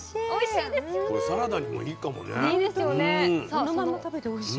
そのまま食べておいしい。